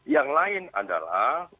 yang lain adalah